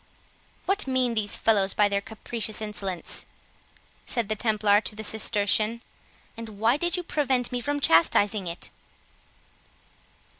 "What mean these fellows by their capricious insolence?" said the Templar to the Benedictine, "and why did you prevent me from chastising it?"